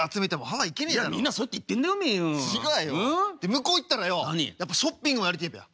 向こう行ったらよやっぱショッピングはやりてえべや。